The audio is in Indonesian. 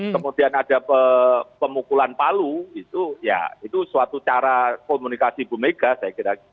kemudian ada pemukulan palu itu ya itu suatu cara komunikasi bu mega saya kira